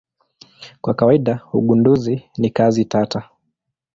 Kwa kawaida ugunduzi ni kazi tata.